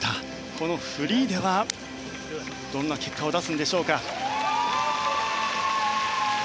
このフリーではどんな結果を出すんでしょうか。